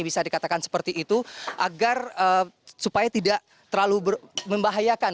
bisa dikatakan seperti itu agar supaya tidak terlalu membahayakan